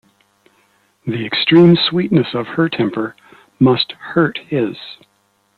The extreme sweetness of her temper must hurt his.